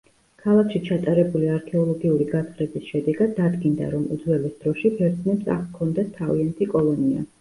ქალაქში ჩატარებული არქეოლოგიური გათხრების შედეგად დადგინდა რომ, უძველეს დროში ბერძნებს აქ ჰქონდათ თავიანთი კოლონია.